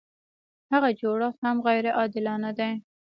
هغه جوړښت هم غیر عادلانه دی.